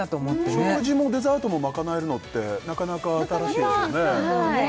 食事もデザートもまかなえるのってなかなか新しいですね